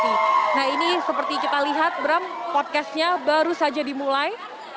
nah ini seperti kita lihat bram podcastnya baru saja dimulai